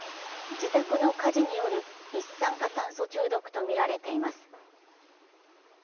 自宅の火事による一酸化炭素中毒とみられています。